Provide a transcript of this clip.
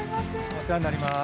お世話になります。